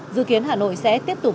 dự kiến hà nội sẽ tiếp tục